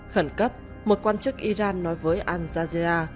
khẩn cấp một quan chức iran nói với al jazera